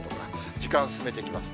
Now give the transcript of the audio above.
時間進めてみます。